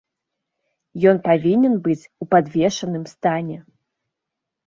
Ён павінен быць у падвешаным стане.